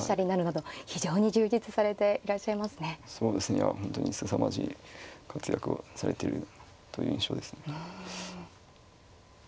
いや本当にすさまじい活躍をされているという印象ですね。